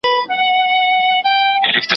یکي یوه "یا" غلطي هم نسته پکښي!